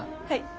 はい。